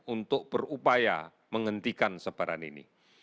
untuk berupaya menghentikan sebaran ini